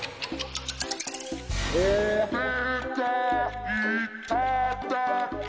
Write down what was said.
おれがいただき。